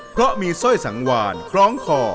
เพราะมีสร้อยสังวานคล้องคอ